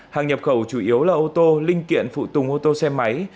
hàng nhập khẩu chủ yếu là ô tô linh kiện phụ tùng ô tô xe máy